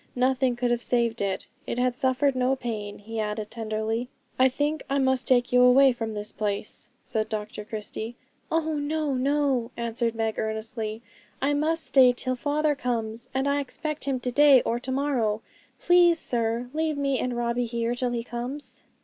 Nothing could have saved it, and it had suffered no pain, he added tenderly. 'I think I must take you two away from this place,' said Dr Christie. 'Oh, no, no,' answered Meg earnestly; 'I must stay till father comes, and I expect him to day or to morrow. Please, sir, leave me and Robbie here till he comes.'